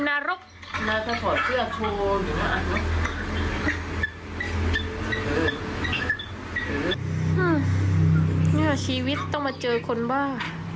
นี้เละชีวิตต้องมาเจอคนบ้า